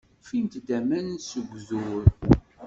Ffint-d aman s ugdur.